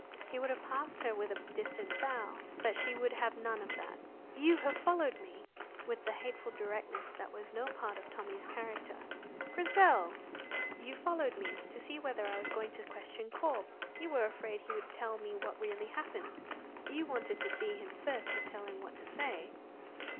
He would have passed her with a distant bow, but she would have none of that. "You have followed me," said Grizel, with the hateful directness that was no part of Tommy's character. "Grizel!" "You followed me to see whether I was going to question Corp. You were afraid he would tell me what really happened. You wanted to see him first to tell him what to say."